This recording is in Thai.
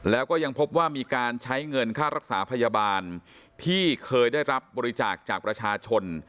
แล้วก็ยังพบว่ามีการใช้เงินค่ารักษาพยาบาลที่เคยได้รับบริจาคจากประชาชน